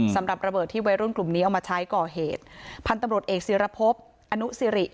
สำหรับระเบิดที่วัยรุ่นกลุ่มนี้เอามาใช้ก่อเหตุพันธุ์ตำรวจเอกศิรพบอนุสิริ